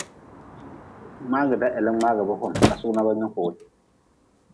Mngaagda heli mngaagʼbe hom kasug na ba nyoki wu.